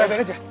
gak ada kece